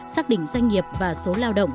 xác định doanh nghiệp và số lao động